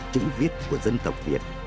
chữ viết của dân tộc việt